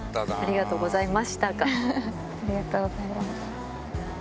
ありがとうございます。